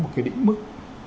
có một cái định mức